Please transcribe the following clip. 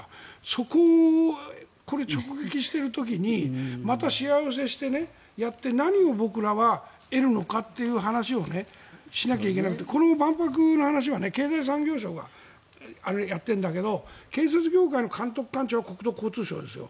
そこをこれ、直撃している時にまたしわ寄せしてやって何を僕らは得るのかという話をしなきゃいけなくてこの万博の話は経済産業省がやってるんだけど建設業界の監督官庁は国土交通省ですよ。